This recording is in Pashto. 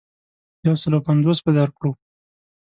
یو سلو پنځوس به درکړو.